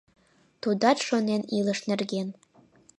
Тудат шонен илыш нерген